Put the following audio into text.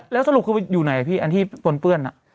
แล้วสรุปคือไปอยู่ไหนพี่อันที่ปนเปื้อน